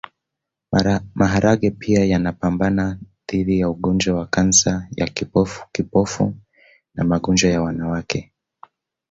Maharage pia yanapambana dhidi ya ugonjwa wa kansa ya kibofu na magonjwa ya wanawake